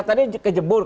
tadi ke jebur